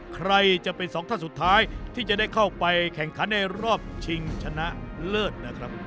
ใครจะเป็นสองท่านสุดท้ายที่จะได้เข้าไปแข่งขันในรอบชิงชนะเลิศนะครับ